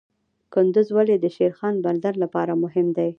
کندز ولې د شیرخان بندر لپاره مهم دی؟